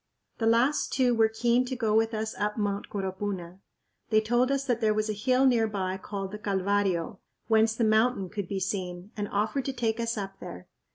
The last two were keen to go with us up Mt. Coropuna. They told us that there was a hill near by called the Calvario, whence the mountain could be seen, and offered to take us up there.